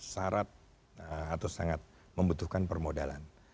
syarat atau sangat membutuhkan permodalan